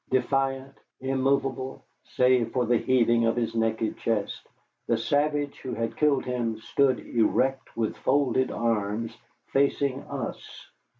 Defiant, immovable, save for the heaving of his naked chest, the savage who had killed him stood erect with folded arms facing us.